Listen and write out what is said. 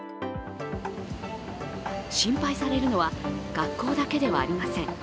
心配されるのは学校だけではありません。